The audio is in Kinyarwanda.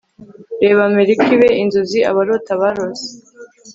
reka amerika ibe inzozi abarota barose-